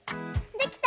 できた！